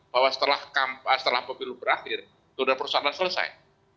bahwa setelah pemilu berakhir sudah persoalan selesai